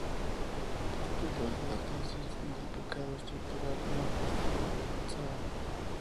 Postuló la tesis del "pecado estructural", una postura de avanzada.